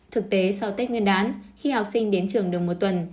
thực tế sau tết nguyên đán khi học sinh đến trường được một tuần